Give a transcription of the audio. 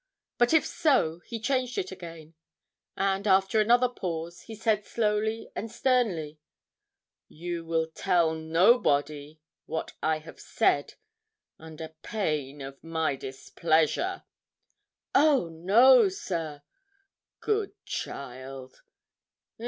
But if so, he changed it again; and after another pause, he said slowly and sternly 'You will tell nobody what I have said, under pain of my displeasure.' 'Oh! no, sir!' 'Good child!'